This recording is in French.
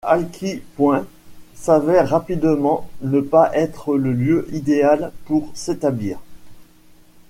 Alki Point s'avère rapidement ne pas être le lieu idéal pour s'établir.